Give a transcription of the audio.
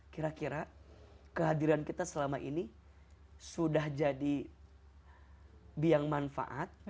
kira kira kehadiran kita selama ini sudah jadi biang manfaat